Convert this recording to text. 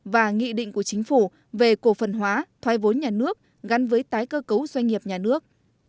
và nghị định của chính phủ về cổ phần hóa thoái vốn nhà nước gắn với tái cơ cấu doanh nghiệp nhà nước